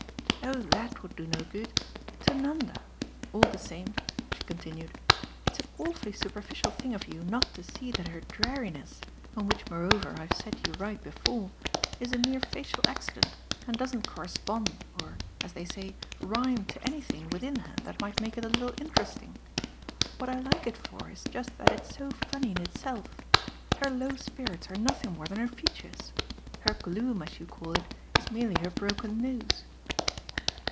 "Oh THAT would do no good. To Nanda. All the same," she continued, "it's an awfully superficial thing of you not to see that her dreariness on which moreover I've set you right before is a mere facial accident and doesn't correspond or, as they say, 'rhyme' to anything within her that might make it a little interesting. What I like it for is just that it's so funny in itself. Her low spirits are nothing more than her features. Her gloom, as you call it, is merely her broken nose."